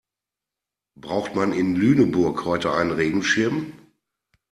Braucht man in Lüneburg heute einen Regenschirm?